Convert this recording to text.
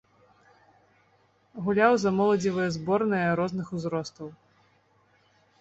Гуляў за моладзевыя зборныя розных узростаў.